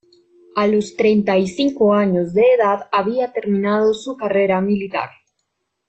A los treinta y cinco años de edad, había terminado su carrera militar.